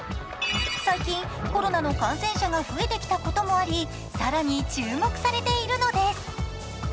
最近、コロナの感染者が増えてきたこともあり更に注目されているのです。